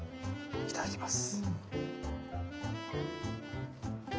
いただきます。